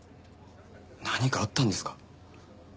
何かあったんですか？